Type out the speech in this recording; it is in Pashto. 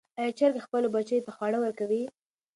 آیا چرګه خپلو بچیو ته خواړه ورکوي؟